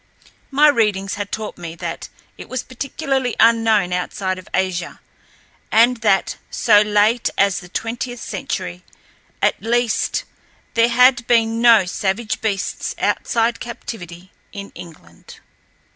My readings had taught me that it was practically unknown outside of Asia, and that, so late as the twentieth century, at least, there had been no savage beasts outside captivity in England.